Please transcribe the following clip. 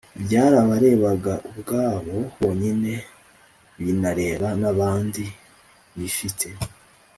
byarabarebaga ubwabo bonyine binareba n' abandi bifite.